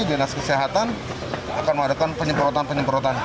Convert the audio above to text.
dinas kesehatan akan mengadakan penyemprotan penyemprotan